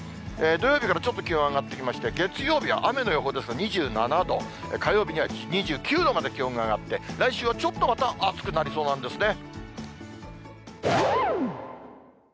土曜日からちょっと気温上がってきまして、月曜日は雨の予報ですが、２７度、火曜日には２９度まで気温が上がって、来週はちょっとまた、暑くなりそうなんですね。